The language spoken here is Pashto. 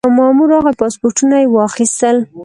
یو مامور راغی پاسپورټونه یې واخیستل.